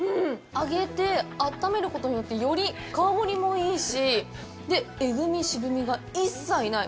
揚げて、あっためることによってより香りもいいしえぐみ、渋みが一切ない。